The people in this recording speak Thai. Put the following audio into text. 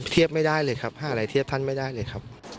เทียบไม่ได้เลยครับหาอะไรเทียบท่านไม่ได้เลยครับ